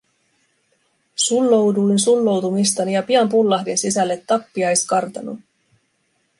Sullouduin sulloutumistani ja pian pullahdin sisälle tappiaiskartanoon.